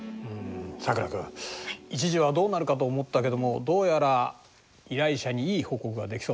さくら君一時はどうなるかと思ったけどもどうやら依頼者にいい報告ができそうだな。